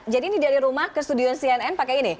jadi ini dari rumah ke studio cnn pakai ini